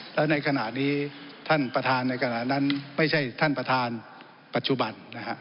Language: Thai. และในขณะนี้ท่านประธานในขณะนั้นไม่ใช่ท่านประธานปัจจุบันนะฮะ